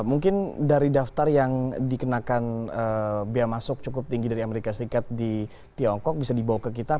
mungkin dari daftar yang dikenakan biaya masuk cukup tinggi dari amerika serikat di tiongkok bisa dibawa ke kita